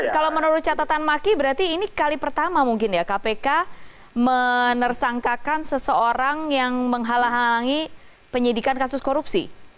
kalau menurut catatan maki berarti ini kali pertama mungkin ya kpk menersangkakan seseorang yang menghalang halangi penyidikan kasus korupsi